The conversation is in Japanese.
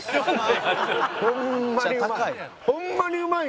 ホンマにうまい！